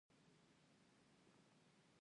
باسواده ښځې د ښاروالۍ په چارو کې مرسته کوي.